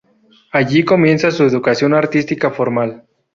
Allí comienza su educación artística formal.